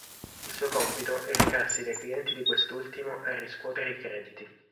Il suo compito è recarsi dai clienti di quest'ultimo a riscuotere i crediti.